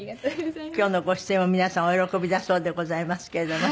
今日のご出演も皆さんお喜びだそうでございますけれども。